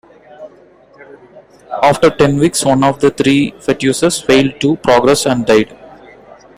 After ten weeks one of the three fetuses failed to progress and died.